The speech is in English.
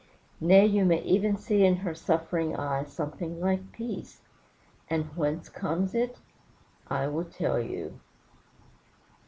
Nay, you may even see in her suffering eye something like peace. And whence comes it? I will tell you.